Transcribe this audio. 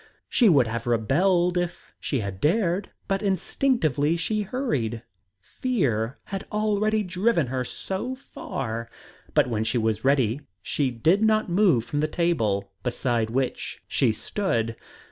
She would have rebelled if she had dared, but instinctively she hurried fear had already driven her so far. But when she was ready she did not move from the table beside which she stood.